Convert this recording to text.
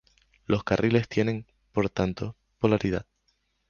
Los carriles tienen, por tanto, polaridad.